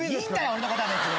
俺のことは別に。